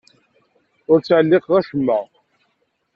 Ur ttɛelliqeɣ acemma.